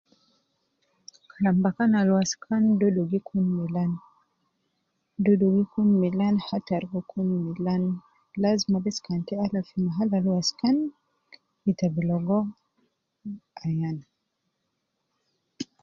Kalam bakan al waskan dudu gi kun milan, dudu gi kun milan hatar gi kun milan, lazima bes kan te alab fi mahal ab waskan, ita bi logo, ayan